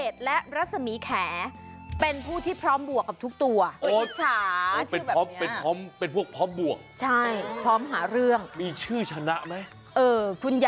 เดี๋ยวนี้ฉันบอกว่าให้ขุดรูรอเลย